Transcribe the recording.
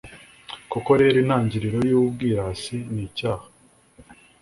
koko rero, intangiriro y'ubwirasi ni icyaha